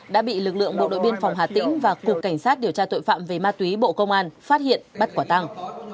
đã bị lực lượng bộ đội biên phòng hà tĩnh và cục cảnh sát điều tra tội phạm về ma túy bộ công an phát hiện bắt quả tăng